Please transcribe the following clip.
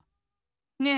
ねえ！